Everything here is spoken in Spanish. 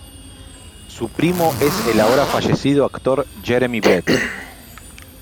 Su primo es el ahora fallecido actor Jeremy Brett.